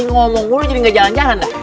ini ngomong dulu jadi nggak jalan jalan dah